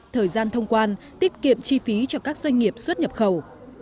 thời gian thông quan tiết kiệm chi phí cho các doanh nghiệp xuất nhập khẩu